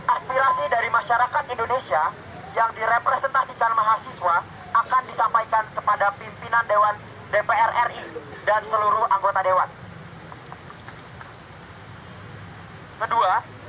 satu aspirasi dari masyarakat indonesia